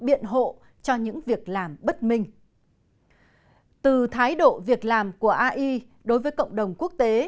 biện hộ cho những việc làm bất minh từ thái độ việc làm của ai đối với cộng đồng quốc tế